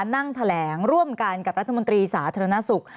นั่งแถลงร่วมกันกับรัฐมนตรีสาธารณสุข